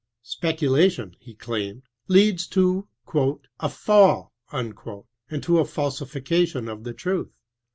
Specula tion, he claimed, leads to a fall," and to a falsification of the truth.